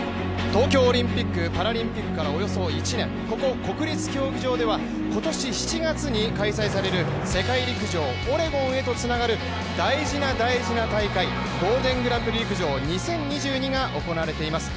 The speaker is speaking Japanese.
東京オリンピック・パラリンピックからおよそ１年、ここ国立競技場では今年７月に開催される世界陸上オレゴンへとつながる大事な、大事な大会「ゴールデングランプリ陸上２０２２」が行われています。